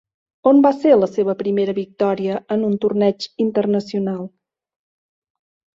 On va ser la seva primera victòria en un torneig internacional?